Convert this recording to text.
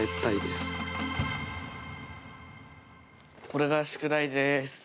これが宿題です。